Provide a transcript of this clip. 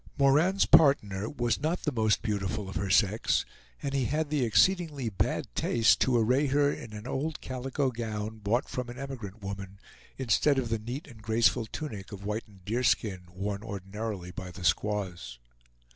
Moran's partner was not the most beautiful of her sex, and he had the exceedingly bad taste to array her in an old calico gown bought from an emigrant woman, instead of the neat and graceful tunic of whitened deerskin worn ordinarily by the squaws.